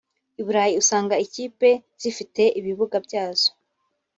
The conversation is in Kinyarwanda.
Iburayi usanga ikipe zifite ibibuga byazo